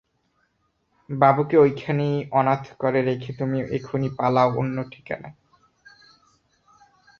বাবুকে ওইখানেই অনাথ করে রেখে তুমি এখনই পালাও অন্য ঠিকানায়।